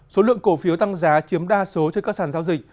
số lượng cổ phiếu tăng giá chiếm đa số trên các sản giao dịch